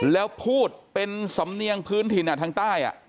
แล้วพูดเป็นสำเนียงพื้นถิ่นทางใต้